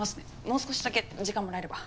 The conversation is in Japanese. もう少しだけ時間もらえれば。